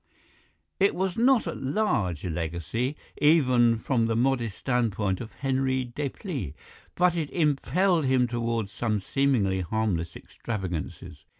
"It was not a large legacy, even from the modest standpoint of Henri Deplis, but it impelled him towards some seemingly harmless extravagances.